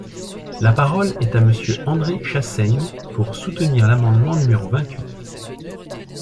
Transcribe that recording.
La parole est à Monsieur André Chassaigne, pour soutenir l’amendement numéro vingt-huit.